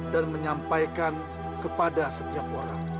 dan menyampaikan kepada setiap orang